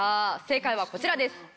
正解はこちらです。